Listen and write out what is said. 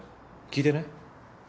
聞いてない？